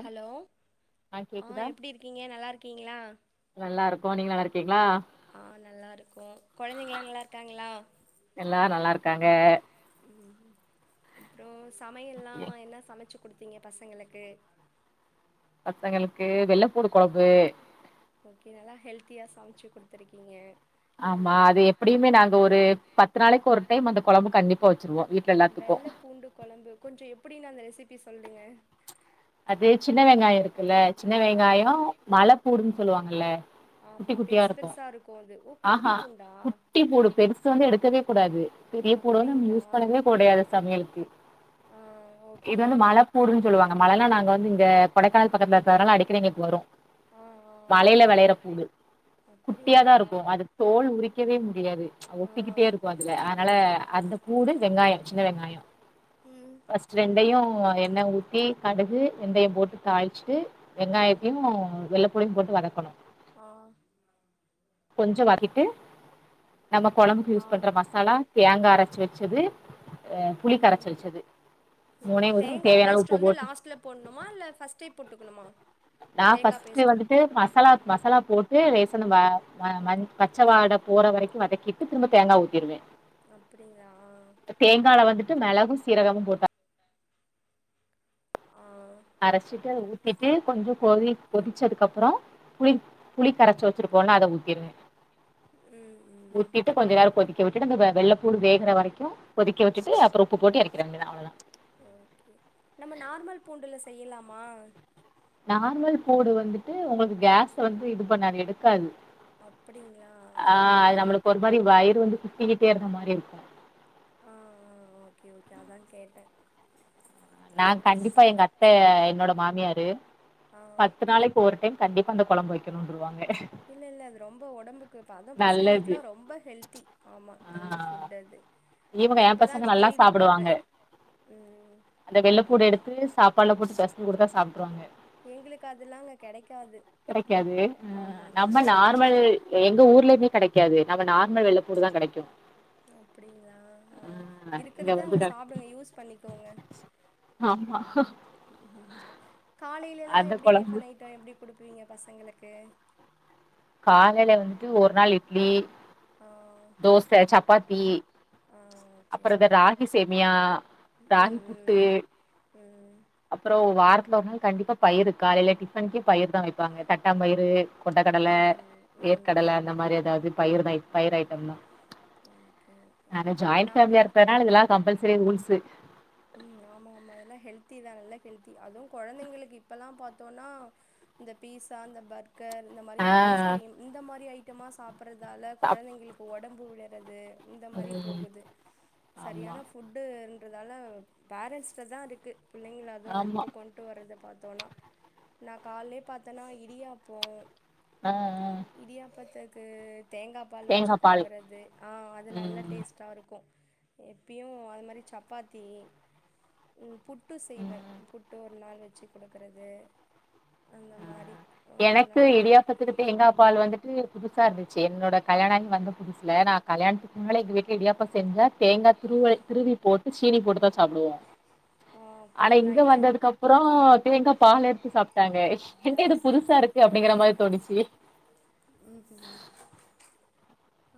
Hello ஆ எப்டி இருக்கீங்க நல்லார்கீங்ளா நல்லா இருக்கோ நீங்க நல்லா இருக்கீங்களா ஆ நல்லாருக்கோ கொழந்தைங்லா நல்லாருக்காங்ளா எல்லாரு நல்லா இருக்காங்க ம் அப்றோ சமையல்லா என்னா சமைச்சு குடுத்தீங்க பசங்களுக்கு பசங்களுக்கு வெள்ளப்பூடு கொழம்பு ஓகே நல்லா ஹெல்த்தியாக சமச்சு குடுத்துருக்கீங்க ஆமா அது ம் எப்படியுமே நாங்க ஒரு பத்து நாளைக்கு ஒரு டைம் அந்த கொழம்பு கண்டிப்பா வச்சிருவோ வீட்ல எல்லாத்துக்கு வெள்ள பூண்டு கொழம்பு கொஞ்சோ எப்டினு அந்த ரெசிபி சொல்லுங்க அது சின்ன வெங்காயோ இருக்குல்ல சின்ன ஆ வெங்காயோ மல பூடுன் சொல்லுவாங்கல்ல குட்டி ஆமா குட்டியா பெருசு இருக்கு பெருசா அது ஓ குட்டி ஆஹா பூண்டா குட்டி ஆ பூடு பெருசு சோ வந்து எடுக்கவே கூடாது எப்புரதம் யூஸ் அப்டிங்களா பண்ணவே கூடையாது சமையலுக்கு ஆ இது ஓகே வந்து மழப்பூண்டுன்னு சொல்லுவாங்க மொதல்லாம் நாங்க வந்து இங்க கொடைக்கானல் பக்கத்துல இருக்க க்கரலாம் அடிக்கடி எங்களுக்கு வரும் ஆ ஆ மலையில விளையுற பூண்டு அப்டிங்களா குட்டியாதான் இருக்கும் அது தோல் உரிக்கவே முடியாது ஆ ஒட்டிக்கிட்டே இருக்கும் அதுல அதனால அந்த பூண்டு வெங்காயம் சின்ன வெங்காயம் ம் ஃபஸ்ட் ரெண்டையும் எண்ணெய் ஊத்தி கடுகு வெந்தயம் போட்டு தாளிச்சிட்டு ஆ வெங்காயத்தையும் வெள்ள பூண்டையும் போட்டு வதக்கணும் ஆ கொஞ்சோ வாக்கிட்டு நம்ம கொழம்புக்கு ஆ யூஸ் பண்ற மச சாலா தேங்கா அரச்சு வச்சது அ புளி ம் கரச்சு வச்சது ம் மூணையு ஊத்தி நமக்கு தேங்கா தேவையான அளவு பேஸ்ட்ட உப்பு வந்து போட்டு லாஸ்ட்ல போடணுமா இல்ல ஃபஸ்ட்டே போட்டுக்கணுமா நா தேங்கா ஃபஸ்ட்டு பேஸ்ட்டு வந்துட்டு மசாலா மசாலா போட்டு ரேசன ப ம மன் பச்சவாட போற வரைக்கும் வதகிட்டு திரும்ப தேங்கா ஊத்திருவே எ ஆ குன்டால வந்துட்டு மிளகு சீரகமும் போட்டா ஆ அரச்சிட்டு அத ஊத்திட்டு கொஞ்சோ கோழி கொதி கொதிச்சதுக்கு அப்றம் புளி புளி கரச்சி வச் சிருப்போம்ல அத ஊத்திருங்க ம் ம் ஊத்திட்டு கொஞ்சோ நேரம் கொதிக்க விட்டு அந்த வெ வெள்ள பூண்டு வேகற வரைக்கு கொதிக்க விட்டு அப்றம் உப்பு போட்டு இரக்கிற வேண்டிது தான் அவ்ளோதா ஓகே நம்ம நார்மல் பூண்டுல செய்யலாமா நார்மல் பூண்டு வந்துட்டு உங்களுக்கு கேஸ் வந்து இது பண்ணாது எடுக்காது அப்டிங்களா ஆ அ உங்களுக்கு ஒரு மாரி வயிறு வந்து சுத்திக்கிட்டே இருந்த மாரி இருக்கு ஆ ஆ ஓகே ஓகே அதா கேட்டே நாங் கண்டிப்பா எங்க அத்த என்னோட மாமியாரு ஆ பத்து நாளைக்கு ஒரு டைம் கண்டிப்பா அந்த கொழம்பு வைக்கணுன்ருவாங்க இல்ல இல்ல அது ரொம்ப உடம்புக்கு தா அதா நல்லது பசங்களுகெல்லாம் ரொம்ப ஹெல்த்தி ஆமா ஆ நல்ல ஃபுட் அது இவங்க நா என் இப்பதா பசங்க அது நல்லா கேள்வி சாப்பிடுவாங்க படறேன் ம் அந்த வெள்ளப்பூண்டு அப்டி எடுத்து சாப்பாடுல போட்டு பெசன்சி குடுத்தா சாப்ட்ருவாங்க எங்களுக்கு அதெல்லாங்க கெடைக்காது கிடைக்காது ஆ ஆமா அதெல்லா நம்ம நார்மல் கெடைக்காது எங்க ஊர்லையுமே கிடைக் கிக்காது நம்ம நார்மல் வெள்ளப்பூண்டு தா கிடைக்கு அப்டிங்களா ஆ இங்க இருக்கறது வந்து அங்க க சாப்ட யூஸ் பண்ணிகோங்க ஆமா ம் காலையிலலாம் அந்த எப்டி கொழம்பு டிஃபன் ஐட்டம் எப்டி கொடுப்பீங்க பசங்களுக்கு காலையில வந்துட்டு ஒரு நாள் இட்லி ஆ தோச சப்பாத்தி ஆ ஓகே அப்புற இந்த ஓகே ராகி சேமியா ம் ம் ம் ம் ம் அப்பறோ வாரத்துல ஒருனாலு கண்டிப்பா பயிரு காலைல டிஃபன்க்கு பயிர் தான் வைப்பாங்க தட்டாம் பயிறு கொண்டைக்கடல ம் ம் வேற்கடல அந்த மாரி ஏதாவது பயிர் தான் பயிர் ஐட்டம் தான் ஓகே ஓகே நாங்க ஜாயிண்ட் நா ஃபேமிலியா இருக்கனால இதெல்லாம் கம்பல்சரி ரூல்ஸ் ம் ஆமா ஆமா அதெல்லாம் ஹெல்தி தான் நல்ல ஹெல்தி அதுவும் குழந்தைங்களுக்கு இப்ப எல்லாம் பார்த்தோனா இந்த பீஸா அந்த பர் க்கர் இந்த மாதிரி ஆ இந்த ஐஸ்கிரீம் இந்த மாதிரி ஐட்டமா சாப்ட்றதால அப் கொழந்தைங்களுக்கு உடம்பு விழறது இந்த மாரி ம் போகுது ஆமா சரியான ஃபுட்டுன்றதால பேரண்ட்ஸ்டதா இருக்கு பிள்ளைங்கள அது ஆமா இப்ப கொண் ட்டு வறத பாத்தோனா நா கால்லயே பாத்தேனா இடியாப்போ அ ம் இடியாப்பத்துக்கு தேங்கா பால் வச்சு தேங்கா பால் குடுக்குறது அ அது நல்ல ம் டேஸ்ட் த இருக்கு எப்பயு அது மாரி சப்பாத்தி ம் புட்டு செய்வ ம் புட்டு ஒரு நாள் வச்சு குடுக்கறது அந்த மாரி ஒரு நாளு தேங்காபால் வந்துட் ட்டு புதுசா இருந்துச்சு என்னோட கல்யாண ஆயி வந்த புதுசல நா கல்யாணத்துக்கு முன்னாள எங்க வீட்ல இடியாப்பா செஞ்சா தேங்கா துருவ திருவி போட்டு சீனி போட்டுதா சாப்டுவோ ஆ ஆனா அப்டிங்களா இங்க இல்ல வந்ததுக்கு அப் அப்பற தேங்கா பால் எடுத்து சாப்ட்டாங்க என்ன இது புதுசா இருக்கு அப்படிங்கிற மாரி தோணிச்சு ம் சொல்லுங்க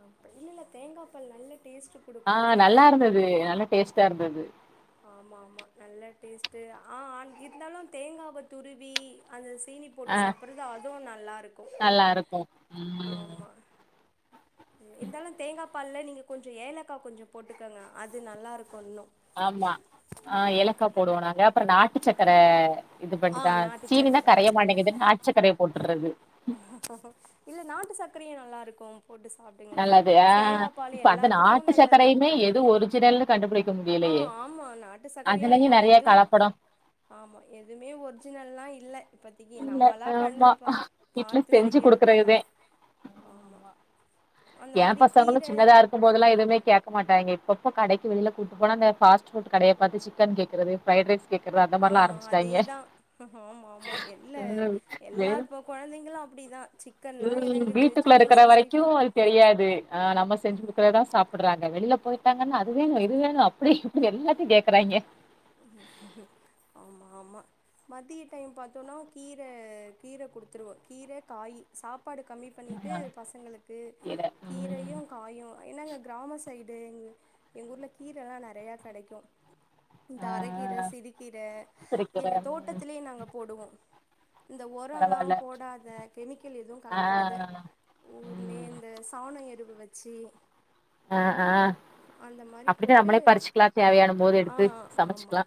அப்ப இல்லல்ல தேங்கா பால் நல்ல டேஸ்ட் ஆ நல்லாருந்தது நல்லா டேஸ்டா இருந்தது ஆமாமா நல்ல டேஸ்ட் ஆ இருந்தாலு தேங்காவ துருவி அந்த சீனி போட்டு ஆ சாப்ட்றது அதுவு நல்லாருக்கு நல்லா இருக்கு ம் ஆமா இருந்தாலு தேங்கா பால்ல நீங்க கொஞ்சோ ஏலக்காய் கொஞ்சோ போட்டுக்கோங்க அது நல்லாருக்கு இன்னு ஆமா ஆ ஏலக்காபோடுவோ நாங்க அப்பற நா ச்சக்கர இது ஆ பண்ட்டுதா நாட்டு சீனினா சக்கர கரைய மாட்டேங்குதுன் நாட்டுச்சக்கரைய போட்டுறது இல்ல நாட்டு சக்கரையு நல்லாருக்கு போட்டு சாப்டுங்க நல்லது ஆ தேங்கா பால் இப்ப அந்த எல்லாத்துக்கு நாட்டு நல்லது சக்கரையுமே எது ஒரு திடல் கண்டுபிடிக்க முடியு ஆ ஆமா நாட்டு சக்கரையு எதோ எது கலப்படோ ஆமா எதுமே ஒரிஜினல்லா இல்ல இப்பத்திக்கி இல்ல நம்மளா ஆமா கண்ணுல பா வீட்ல பாத்து செஞ்சு செய்யறதுதா குடுக்குறதுதே ஆமா அந்த எ மாரி பசங்களு கீர சின்னதா இருக் போதல்லா எதுவுமே கேக்க மாட்டாய்ங்க இப்ப கடைக்கு வெளிய கூட்டு போன பாஸ்ட் ஃபுட் கடய பாத்து சிக்கன் கேக்கறது ஆ அதேதா ஆமா மா எல்ல ம் வெளியில எல்லாருப்ப கொழந்தைங்களு அப்டிதா சிக்கன்னா ம் இறங்குது வீட்டுக்குள்ள சிக்கன் இருக்கிற சிக்ஸ்டி வரைக்கு ஃபைவ் அது தெரியாது ஆ நம்ம செஞ்சு குடுக்கறதா சாப் ப்படுறாங்க வெளில போய்ட்டாங்கன்னா அது வேணு இது வேணு அப்டி இப்டி எல்லாத்தையு கேக்குறாய்ங்க ஆமா ஆமா மதிய டைம் பாத்தோனா கீர கீர குடுத்துருவோ கீர காய் சாப்பாடு கம்மி பண்ணிட்டு ஆ பசங்களுக்கு கீர ம் கீரையு காயு என்னாங்க கிராம சைடு எங் எங்க ஊர்ல கீரல்லா நெறய கெடைக்கு இந்த ஆ அரகீர சிறு கீர முருங்கக்கீர எங்க ம் தோட்டத்திலயே நாங்க போடுவோ இந்த உரலா பரவால்ல போடாத கெமிக்கல் எதுவு ஆ கலக்காத ஊர்லயே ம் இந்த சாண எருவு வச்சு அ ஆ அந்த மாரி அப்படிதா போட்டு நம்மளே பறிச்சுக்கலா தேவையான போது ஆ எடுத்து ஆமா சமைச்சுக்கலா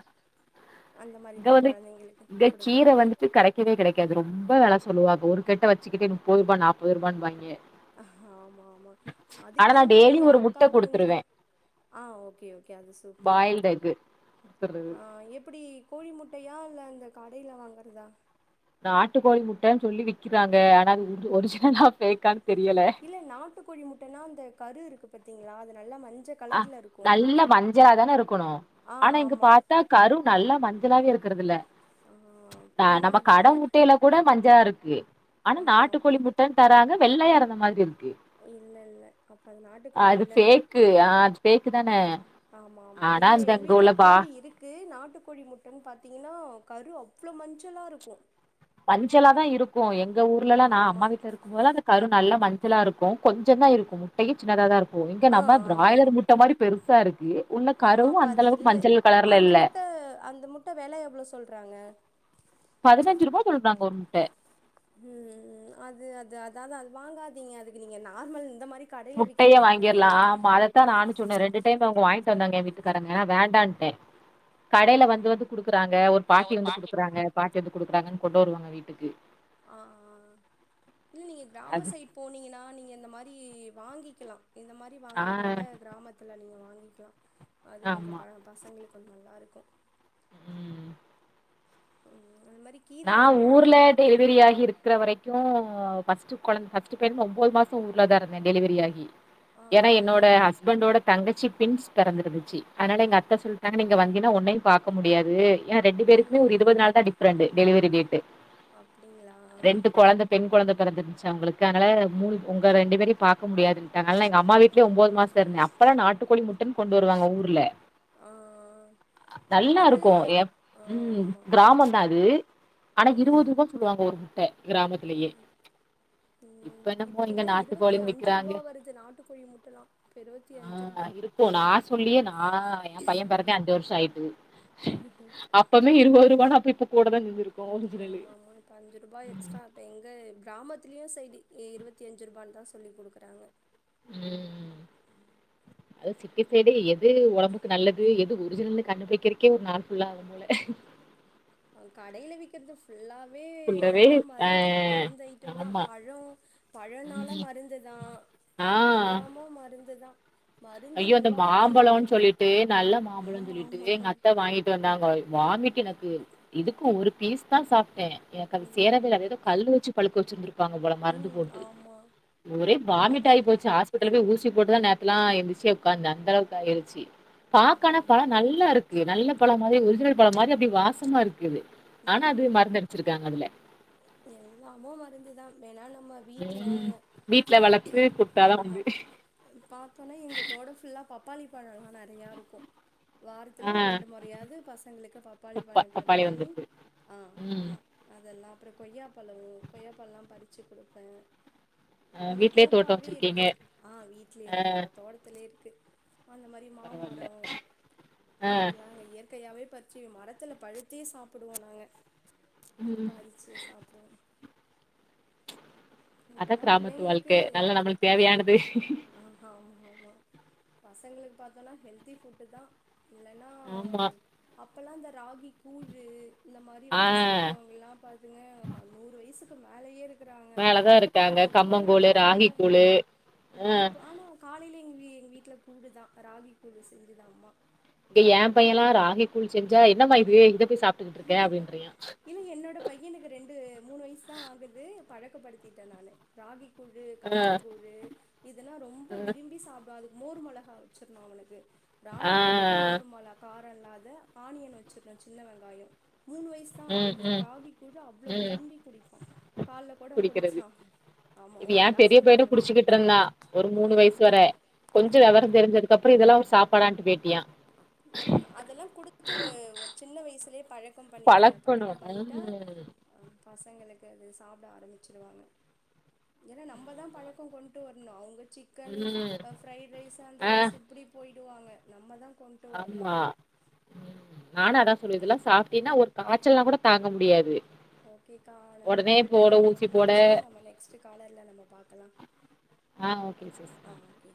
அந்த மாரி இங்க தா வந்து கொழந்தைங்களுக்கு இங்க கீர குடுக்கறது வந்துட்டு கரெக்ட் கீரயே கெடைக்காது ரொம்ப வெல சொல்லுவாங்க ஒரு கட்ட வச்சு கிட்டே முப்பதுரூபா நாப்பது ரூபான்னு வாய்ங்க ஆமா ஆமா அதுக்கு நா ஏன் டெய்லி போறீங்க ஒரு அக்கா முட்ட கொஞ்ச குடுத்துருவே ஆ ஓகே ஓகே அது சூப்பர் பாயில்டு எக்கு குடுத்துருவே ஆ ஆ எப்படி கோழி முட்டையா இல்ல இந்த கடையில வாங்குறதா நாட்டு கோழி முட்டன்னு சொல்லி விக்கிறாங்க ஆனா அது ஒரிஜினலா ஃபேக்கான்னு தெரியல நாட்டுக்கோழி முட்டன்னா அந்த கரு இருக்கு பாத்தீங்களா அது நல்லா மஞ்ச அ கலர்ல இருக்கு நல்ல மஞ்சளா தான இருக்கணு ஆ ஆனா இங்க ஆமா பாத்தா கரு நல்லா மஞ்சளாவே இருக்குறது இல்ல ஆ ஆ அப்டின்னா நம்ம அது கட இல்ல முட்டையில கூட மஞ்சளா இருக்கு ஆனா ஆ அப்ப நாட்டுக்கோழி முட் டன்னு தராங்க வெள்ளையாயிருந்த மாரி இருக்கு இல்ல இல்ல அப்ப அது அ, நாட்டுக்கோழி அது இல்ல ஃபேக்கு ஆ அது ஃபேக்கு தான ஆமா ஆமா ஆனா இல்ல இந்த எங்க இங்க உள்ள வீட்ல பா கோழி இருக் கு நாட்டுக்கோழி முட்டன் பாத்தீங்கனா கரு அவ்ளோ மஞ்சளா இருக்கு மஞ்சலா தா இருக்கு எங்க ஊர்லல்லா நா ஆமா அம்மா வீட்ல இருக்கும்போதெல்லா அந் கரு நல்லா மஞ்சளா இருக்கு கொஞ்சந்தா இருக்கு முட்டயு சின்னதா தா இருக்கும் இங்க ஆ நம்ம ஆமா பிராய்லர் முட்ட மாதிரி பெருசா இருக்கு உள்ள ஆ கருவும் அப்ப அது அந்தளவுக்கு இல்ல மஞ்சள் கலர்ல அந்த இல்ல முட்ட அந்த முட்ட விலை எவ்வளோ சொல்றாங்க பதினஞ்சு ரூபா சொல்றாங்க ஒரு முட்ட ம் ம் அது அது அதாது அது வாங்காதீங்க அதுக்கு நீங்க நார்மல் இந்த மாரி கடைல முட்டைய விக்கிறதே வாங்கிரலா வாங்கிர்லா ஆமா அதத்தா ஆமா நானு சொன்ன ரெண்டு டைம் அவுங்க வாங்கிட்டு வந்தாங்க வீட்டுக்காரங்க வேண்டான்டே கடையில வந்து வந்து குடுக்குறாங்க ஒரு பாட்டி வந்து குடுக்குறாங்க பாட்டி வந்து குடுக்குறாங்கன் கொண்டு வருவாங்க வீட்டுக்கு ஆ ஆ இல்ல நீங்க கிராம அது சைட் போனீங்கன்னா நீங்க இந்த மாரி வாங்கிக்கலா இந்த மாரி ஆ வாங்குறதோட கிராமத் த்தில நீங்க வாங்கிக்கலா அது கொஞ்சோ ஆமா ப பசங்களுக்கு கொஞ்சோ நல்லாருக்கு ம் ம் அது மாரி கீர நா ஐட்டமு ஊர்ல டெலிவரி ஆகி இருக்கிற வரைக்கு ஃபர்ஸ்ட் கொழந் ஃபர்ஸ்ட் டைம் ஒம்பது மாசம் ஊர்ல தா இருந்த டெலிவரி ஆகி ஆ ஏன்னா ஆ ஆ என்னோட ஹஸ்பண்டோட தங்கச்சி டிவின்ஸ் பிறந்திருந்துச்சு அதனால ஆ எங்க அத்த சொல்ட் ட்டாங்க நீ இங்க வந்தினா உன்னையும் பாக்க முடியாது ஏனா ரெண்டு ம் பேருக்குமே ஒரு இருவது ம் நாள் தா டிஃப்ரெண்ட்டு டெலிவரி டேட்டு அப்டிங்களா ரெண்டு கொழந்த பெண் கொழந்த பிறந்திருந்துச்சு அவுங்களுக்கு அதனால மூணு உங்க ரெண்டு பேரையும் பாக் க முடியாதுன்டாங்க அதனால எங்க அம்மா வீட்டுல ஒம்போது மாசம் இருந்த அப்பல்ல நாட்டுக்கோழி முட்டன் கொண்டு வருவாங்க ஊர்ல ஆ நல்லா அது இருக்கு எப் ஆ ம் ஆமா கிராமந்தா அது ஆனா ஆ இருவது ரூபா சொல்லுவாங்க ஒரு முட்ட கிராமத்திலயே ம் இப்ப ம் என்னமோ இப்போ இங்க எல்லாம் இருவத்தி நாட்டுக்கோழின்னு அஞ்சு விக்கிறாங்க ரூபா வருது நாட்டுக்கோழி முட்டைலா இப்போ இருவத்தி அஞ்சு ரூபா இப்போ நா சொல்லியே நானா என் பைய பெறந்தே அஞ்சு வருஷோ ஆயிட்டு அப்பமே இருவது ரூபானா அப்ப கூட தா செஞ்சிருக்கு ம் ஒரிஜினலு ஆமா ஆமா இப்ப அஞ்சு ரூபா எக்ஸ்ட்டா இப் ப எங்க கிராமத்துலயு சைடு இருபத்தி அஞ்சு ரூபான்னு தா சொல்லி் குடுக்குறாங்க ம் அத சிட்டி சைடு எது ஒடம்புக்கு நல்லது எது ஒரிஜினல்னு கண்டுபுடிக்கிறக்கே ஒரு நாள் ஃபுல்லா ஆகும் போல ஆ கடையில விக்கிறது ஃபுல்லாவே ஃபுல்லவே எல்லாம் ஆ மருந்து மருந்து ஐட்டம் தா ஆமா பழம் பழனாலு ம் மருந்துதா ஆ எல்லாமு மருந்துதா ஐயோ அந்த மாம்பழொன் சொல்லிட்டு நல்ல மாம்பழொன் ஆமா சொல்லிட்டு ஆமா எங்க அத்த வாங்கிட் டு வந்தாங்க வாமிட் எனக்கு இதுக்கு ஒரு பீஸ் தா சாப்ட்டே எனக்கு அது சேர ம் வேல அது எதோ கல்லு வச்சு பழுக்க வச்சுருந்திருப்பாங்க போல மருந்து ம் போட்டு ஆமா ஒரே வாமிட் அது ஆயி போச்சு ஆஸ் பெட்டல்ல போய் ஊசி போட்டுதா நேத்தல்லா எழுந்துருச்சியே ஒக்காந்த அந்தளவுக்கு ஆயிருச்சி பாக்கானா பழொ நல்லாருக்கு நல்ல பழம் மாதிரி ஒரிஜினல் பழம் மாரி அப்டி வாசமாருக்குது ஆனா அது மருந்து அடிச்சிருக்காங்க அதுல எல்லாமு மருந்துதா வேணா நம்ம வீட்ல ம் வீட்ல வளர்த்து குடுத்தாதா ஆமா உண்டு பாத்தோன்னா எங்க தோடம் ஃபுல்லா பப்பாளி பழலா நறையாருக்கூ வாரத்துல ஒரு ஆ ரெண்டு முறையாவது பசங்களுக்கு பப்பாளி பப்பா பழங் கட் பப்பாளி பண்ணி வந்திருக்கு ஆ ம் ஆமா அதெல்லா அப்புறொ கொய்யாப்பழொ கொய்யாப்பழலா பறிச்சி குடுப்பே அ இங்க வீட்லயே தோட்டோ தோப்பாவே வச்சிருக்கீங்க இருக்கு ஆ வீட்லயே இருக்கு பா தோட்டத்திலே இருக்கு அந்த மாரி பரவால்ல மாமரொ ஆ இதெல்லா அங்க இயற்க் கையாவே பறிச்சி மரத்துல பழுத்தே சாப்டுவோ நாங்க ம் பறி சியே சாப்டுவோ அதா இப்பல்லா கிராமத்து பிள்ளைங்களுக்கு வாழ்க்கை நல்ல நம்மளுக்கு தேவையானது ஆஹா ஆமா ஆமா பசங்களுக்கு பாத்தோன்னா ஹெல்தி ஃபுட்டு தா இல்லன்னா ஆமா அப்பல்லா இந்த ராகி கூழு இந்த மாரி ஆ வச்சு சாப்ட்டவங்கலாம் பாதுங்க நூறு வயசுக்கு மேலேயே இருக் க்றாங்க மேலதா இருக்காங்க இப்பல்லா கம்மங்கூழு அப்புடி ராகி இல்ல கூழு ஆ இப்ப ஆனா காலைல எங் வீ எங்க வீட்ல கூழு தா ராகி கூழு செஞ்சுது அம்மா இங்க ஏ பையலா ராகி கூழ் செஞ்சா என்னம்மா இது இத போயி சாப்ட்டுக்கிட்டு இருக்க அப்டின்றியா இல்ல என்னோட பையனுக்கு ரெண்டு மூணு வயசு தா ஆகுது பழக்கப்படுத்திட்டே நானு ராகி கூலு ஆ கம்மங் கூலு இதெல்லா ரொம்ப விரும்பி சாப் டுவா அதுக்கு மோர் மொளகா வச்சிர்னு அவனுக்கு ஆ ஆ. ராகி கூழ்க்கூ மோர்மொளாக காரொல்லாத ஆனியன் வச்சிர்னு சின்ன வெங்காயொ மூணு வயசு தா ம் ஆகுது ம் ராகி கூழ் அவ்ளோ ம் விரும்பி குடிப்பா கால்ல கூட குடிக்கிறது குடிச்சான் ஆமா ஒரு கிளாஸ் குடுத்துருவ ட்ருந்தா ஒரு மூணு வயசு வர கொஞ்சொ வெவரந் தெரிஞ்சதுக்குப்புறொ இதெல்லா ஒரு சாப் அதெல்லா குடுத்து சின்ன வயசிலே பழக் பழக்கம் பண்ணிடுங்க பழக்கணு பழக்கம் பண்ணிட்டா ம் பசங்களுக்கு அது சாப்ட ஆரம்பிச்சிருவாங்க ஏன்னா நம்ப தா ஆமா பழக்கொ கொண்டு வர்ணு அவுங்க சிக் க்கன் ம் ஃப்ரைட் ரைஸ் அந்த ஆ ரைஸ் இப்புடி போயிடுவாங்க நம்ம தா கொண்டு வரணு ஆமா ம் நானு அதா சொல்லுவே இதெல்லா சாப்ட்டீன்னா ஒரு காய்ச்சல்னா கூட தாங்க முடியாது ஓகேக்கா ஒடனே நம்மளுக்குள்ள போட டைமிங் ஊசி போட முடிஞ்சிறிச்சி நம்ம நெக்ஸ்ட் காலர்ல நம்ம பாக்கலா ஆ ஓகே சிஸ் ஆ ஓகே